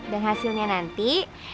dan hasilnya nanti